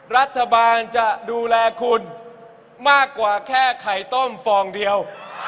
รัฐบาลจะดูแลคุณมากกว่าแค่ไข่ต้มฟองเดียว